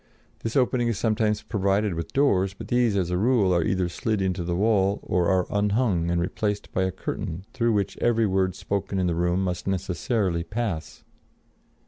This opening is sometimes provided with doors; but these, as a rule, are either slid into the wall or are unhung and replaced by a curtain through which every word spoken in the room must necessarily pass.